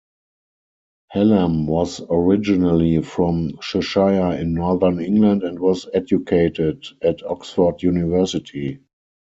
Hallam was originally from Cheshire in northern England and was educated at Oxford University.